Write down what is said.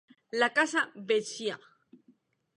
La casa vecchia.